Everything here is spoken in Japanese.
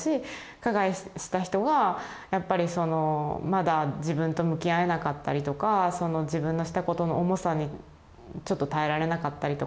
加害した人がやっぱりそのまだ自分と向き合えなかったりとかその自分のしたことの重さにちょっと耐えられなかったりとか。